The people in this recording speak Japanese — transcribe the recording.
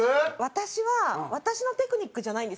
私は私のテクニックじゃないんですよ。